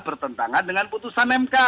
bertentangan dengan putusan mk